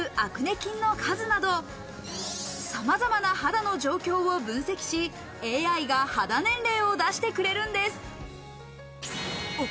菌の数など、さまざまな肌の状況を分析し、ＡＩが肌年齢を出してくれるんです。